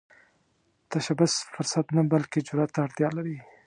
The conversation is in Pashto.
تشبث فرصت نه، بلکې جرئت ته اړتیا لري